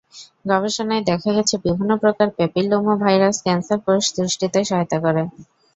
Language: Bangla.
গবেষণায় দেখা গেছে বিভিন্ন প্রকার প্যাপিলোমা ভাইরাস ক্যানসার কোষ সৃষ্টিতে সহায়তা করে।